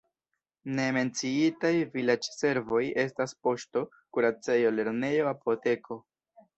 Ne menciitaj vilaĝservoj estas poŝto, kuracejo, lernejo, apoteko.